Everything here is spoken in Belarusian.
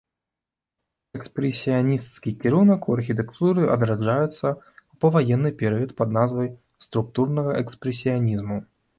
Экспрэсіянісцкі кірунак у архітэктуры адраджаецца ў паваенны перыяд пад назвай структурнага экспрэсіянізму.